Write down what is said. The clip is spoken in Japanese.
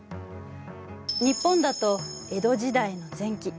日本だと江戸時代の前期。